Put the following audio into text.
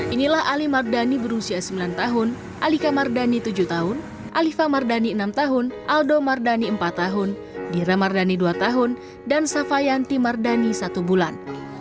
inilah ali mardani berusia sembilan tahun alika mardani tujuh tahun alifa mardani enam tahun aldo mardani empat tahun dira mardani dua tahun dan safayanti mardani satu bulan